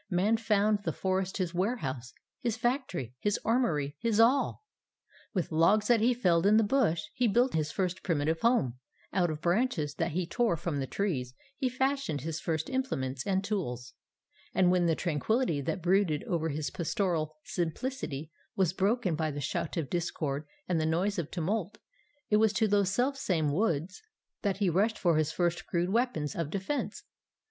Man found the forest his warehouse, his factory, his armoury, his all. With logs that he felled in the bush he built his first primitive home; out of branches that he tore from the trees he fashioned his first implements and tools; and when the tranquillity that brooded over his pastoral simplicity was broken by the shout of discord and the noise of tumult, it was to those selfsame woods that he rushed for his first crude weapons of defence.